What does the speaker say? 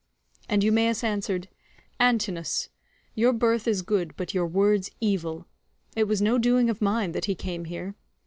And Eumaeus answered, "Antinous, your birth is good but your words evil. It was no doing of mine that he came here.